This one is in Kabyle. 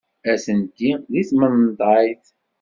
Atenti deg tmenḍayt.